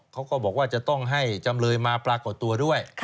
เขาก็บอกว่าจะต้องให้จำเลยมาปรากฏตัวด้วย